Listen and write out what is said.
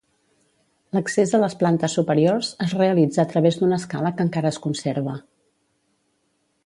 L'accés a les plantes superiors es realitza a través d'una escala que encara es conserva.